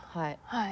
はい。